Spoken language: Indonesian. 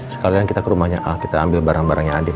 sekalian kita ke rumahnya al kita ambil barang barangnya adem